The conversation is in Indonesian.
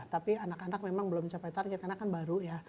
tapi anak anak memang belum mencapai target karena kan baru ya